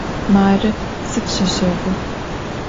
Marı sipşseşseğu.